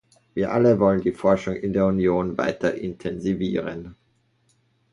Wir allen wollen die Forschung in der Union weiter intensivieren.